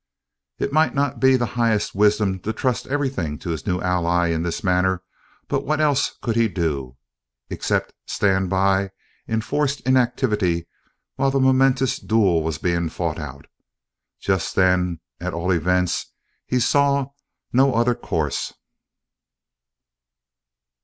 It might not be the highest wisdom to trust everything to his new ally in this manner; but what else could he do, except stand by in forced inactivity while the momentous duel was being fought out? Just then, at all events, he saw no other course.